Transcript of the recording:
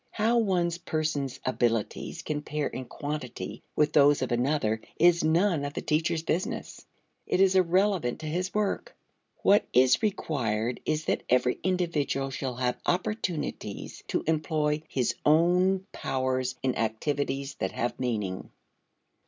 How one person's abilities compare in quantity with those of another is none of the teacher's business. It is irrelevant to his work. What is required is that every individual shall have opportunities to employ his own powers in activities that have meaning.